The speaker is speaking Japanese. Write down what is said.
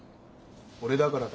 「俺だから」